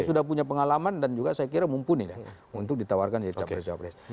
sudah punya pengalaman dan juga saya kira mumpuni ya untuk ditawarkan jadi capres capres